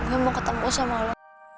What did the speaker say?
gue mau ketemu sama lo